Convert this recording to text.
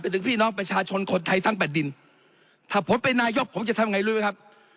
ถึงพี่น้องประชาชนคนไทยทั้งแผ่นดินถ้าผมเป็นนายกผมจะทำไงรู้ไหมครับ